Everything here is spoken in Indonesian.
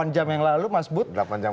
delapan jam yang lalu mas bud